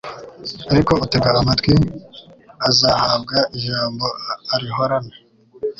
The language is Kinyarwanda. ariko utega amatwi azahabwa ijambo arihorane